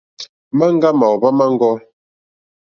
Maŋga màòhva maŋgɔ.